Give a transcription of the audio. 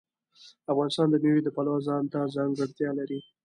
افغانستان د مېوې د پلوه ځانته ځانګړتیا لري.